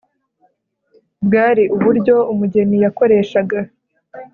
Bwari uburyo umugeni yakoreshaga